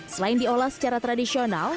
selain diolah secara tradisional